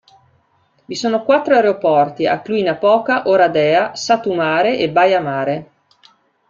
Vi sono quattro aeroporti a Cluj-Napoca, Oradea, Satu Mare e Baia Mare.